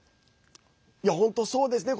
本当、そうですね。